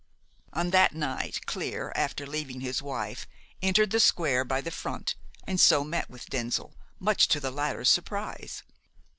"On that night, Clear, after leaving his wife, entered the square by the front, and so met with Denzil, much to the latter's surprise.